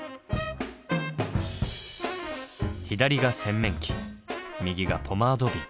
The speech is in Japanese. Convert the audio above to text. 左が洗面器右がポマード瓶。